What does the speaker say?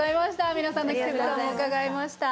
皆さんの季節伺いました。